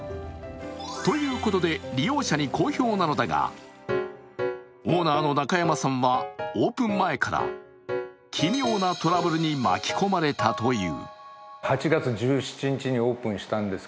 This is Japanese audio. ということで、利用者に好評なのだが、オーナーの中山さんはオープン前から奇妙なトラブルに巻き込まれたという。